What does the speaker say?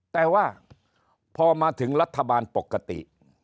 แต่ว่าพอมาถึงรัฐบาลปกติ